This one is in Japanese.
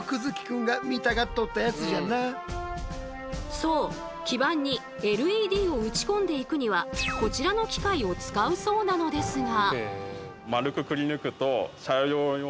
そう基板にＬＥＤを打ちこんでいくにはこちらの機械を使うそうなのですが。